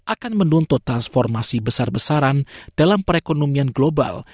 akan menuntut transformasi besar besaran dalam perekonomian global